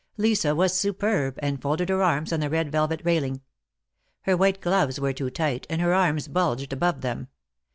Lisa was superb, and folded her arms on the red velvet railing. Her white gloves were too tight, and her arms bulged above them.